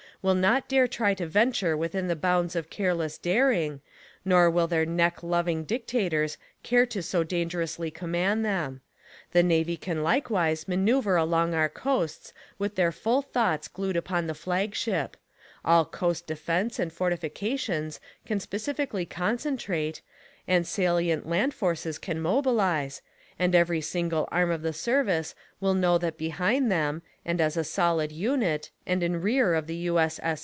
will not dare try to venture within the bounds of careless daring, nor will their neck loving dictators care to so dangerously command them; the Navy can likewise maneuver along our coasts with their full thoughts glued upon the flagship; all coast defence and fortifications can specifically concentrate, and salient land forces can mobilize; and every single arm of the service will know SPY PROOF AMERICA that behind them, and as a soHd unit, and in rear of the U.